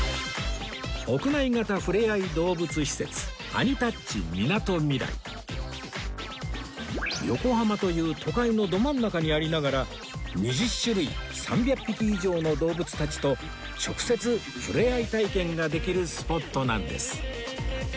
屋内型ふれあい動物施設横浜という都会のど真ん中にありながら２０種類３００匹以上の動物たちと直接触れ合い体験ができるスポットなんです